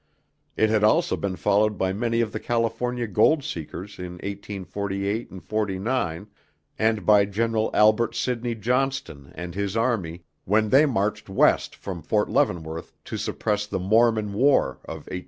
It had also been followed by many of the California gold seekers in 1848 49 and by Gen. Albert Sidney Johnston and his army when they marched west from Fort Leavenworth to suppress the "Mormon War" of 1857 58.